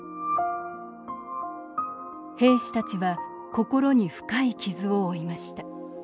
兵士たちは心に深い傷を負いました。